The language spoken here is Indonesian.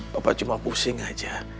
papa cuma pusing aja